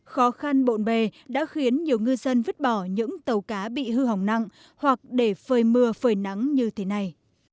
khó khăn bộn bề đã khiến nhiều ngư dân vứt bỏ những tàu cá bị hư hỏng nặng hoặc để phơi mưa phơi nắng như thế này